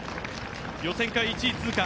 予選会１位通過